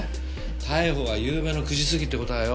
逮捕がゆうべの９時過ぎって事はよ